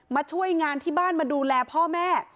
ช่วยงานที่บ้านมาดูแลพ่อแม่